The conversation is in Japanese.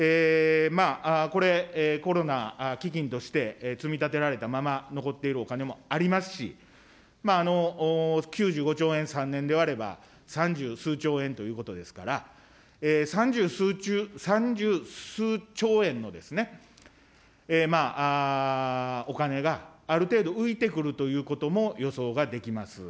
これ、コロナ基金として積み立てられたまま残っているお金もありますし、９５兆円３年で割れば、三十数兆円ということですから、三十数兆円のですね、お金がある程度浮いてくるということも予想ができます。